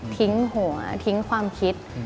ทิ้งหัวทิ้งความคิด